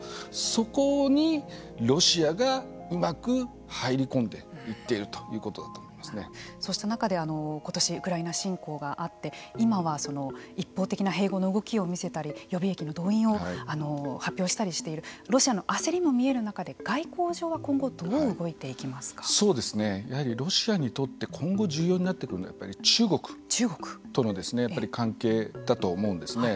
そこにロシアがうまく入り込んでいっているそうした中でことしウクライナ侵攻があって今は一方的な併合の動きを見せたり予備役の動員を発表したりしているロシアの焦りも見える中で外交上はやはりロシアにとって今後、重要になってくるのはやっぱり中国との関係だと思うんですね。